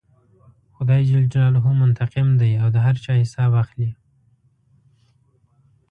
خدای جل جلاله منتقم دی او د هر چا حساب اخلي.